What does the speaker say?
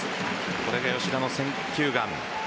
これが吉田の選球眼。